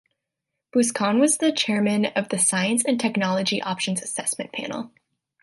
Busquin was the chairman of the Science and Technology Options Assessment Panel.